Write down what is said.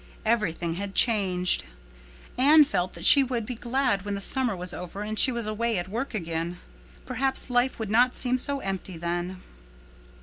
Everything had changed. Anne felt that she would be glad when the summer was over and she was away at work again. Perhaps life would not seem so empty then.